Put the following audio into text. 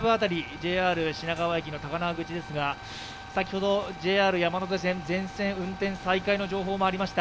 ＪＲ品川駅の高輪口ですが、先ほど、ＪＲ山手線全線運転再開の情報もありました。